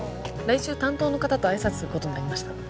来週担当の方と挨拶することになりました